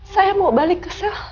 saya mau balik ke sel